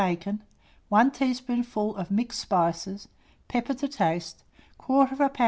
bacon, 1 teaspoonful of mixed spices, pepper to taste, 1/4 lb.